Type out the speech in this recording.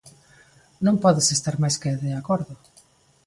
Non podes estar máis que de acordo.